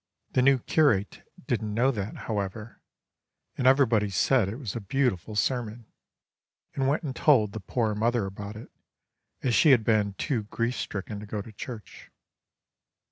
The new curate didn't know that, however, and everybody said it was a beautiful sermon, and went and told the poor mother about it, as she had been too grief stricken to go to church.